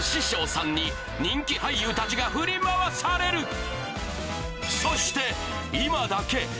匠さんに人気俳優たちが振り回されるそして今だけ！